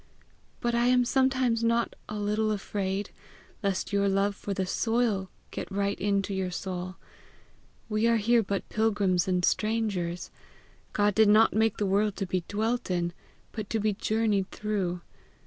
But I am sometimes not a little afraid lest your love for the soil get right in to your soul. We are here but pilgrims and strangers. God did not make the world to be dwelt in, but to be journeyed through.